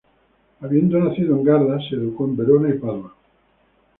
Habiendo nacido en Garda, se educó en Verona y Padua.